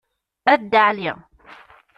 A Dda Ɛli.